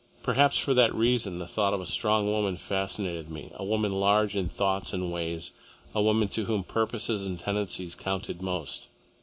Perhaps for that reason the thought of a strong woman fascinated me, a woman large in thoughts and ways, a woman to whom purposes and tendencies counted most.